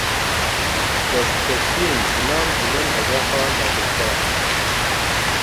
Destkeftiyên jinan dibin hedefa dagirkeran.